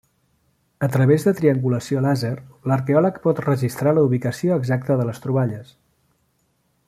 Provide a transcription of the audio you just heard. A través de triangulació làser, l'arqueòleg pot registrar la ubicació exacta de les troballes.